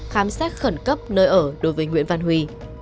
khám xét khẩn cấp nơi ở đối với nguyễn văn huy